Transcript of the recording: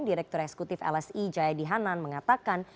direktur esekutif lsi jaya dihanan mengatakan